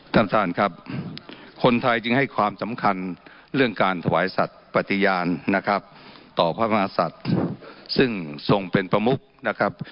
ท่านประธานครับคนไทยจึงให้ความสำคัญเรื่องการถวายสัตว์ปฏิญาณนะครับต่อพระมหาศัตริย์ซึ่งทรงเป็นประมุกนะครับ